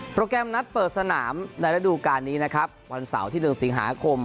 แกรมนัดเปิดสนามในระดูการนี้นะครับวันเสาร์ที่๑สิงหาคม